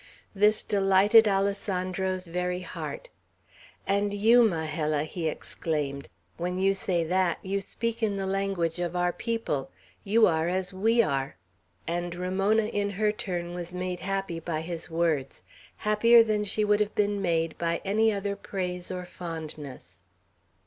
This delighted Alessandro's very heart. "And you, Majella," he exclaimed; "when you say that, you speak in the language of our people; you are as we are." And Ramona, in her turn, was made happy by his words, happier than she would have been made by any other praise or fondness.